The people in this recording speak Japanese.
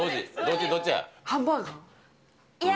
どっちや。